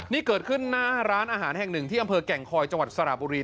นี่เกิดขึ้นหน้าร้านอาหารแห่งหนึ่งที่อำเภอแก่งคอยจังหวัดสระบุรี